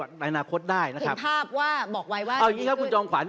อันนี้แน่นอนครับมีประวัติการยึดทรัพย์